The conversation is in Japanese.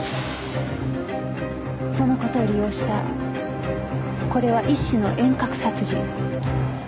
そのことを利用したこれは一種の遠隔殺人。